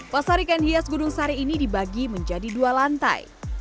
pasar ikan hias gunung sari ini dibagi menjadi dua lantai